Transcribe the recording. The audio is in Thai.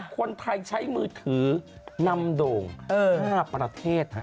คนไทยใช้มือถือนำโด่ง๕ประเทศ